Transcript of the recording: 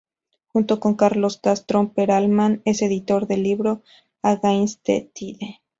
Junto con Carlos Castro Perelman es editor del libro "Against the Tide.